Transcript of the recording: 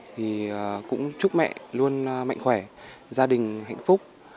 thì cũng chúc mẹ luôn mạnh khỏe gia đình hạnh phúc